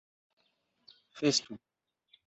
festu